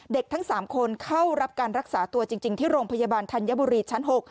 ทั้ง๓คนเข้ารับการรักษาตัวจริงที่โรงพยาบาลธัญบุรีชั้น๖